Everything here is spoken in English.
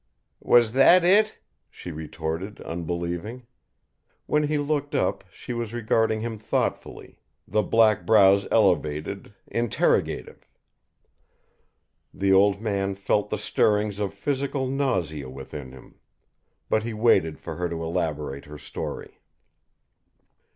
"Was that it?" she retorted, unbelieving. When he looked up, she was regarding him thoughtfully, the black brows elevated, interrogative. The old man felt the stirrings of physical nausea within him. But he waited for her to elaborate her story.